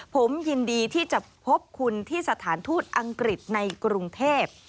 ผมยินดีที่จะพบคุณที่สถานทูตอังกฤษในกรุงเทพ